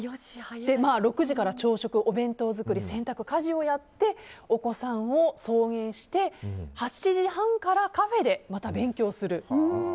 ６時から朝食、お弁当作り洗濯、家事をやってお子さんを送迎して、８時半からカフェでまた勉強する。